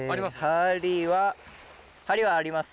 針は針はあります。